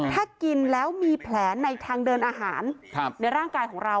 ถ้ากินแล้วมีแผลในทางเดินอาหารในร่างกายของเรา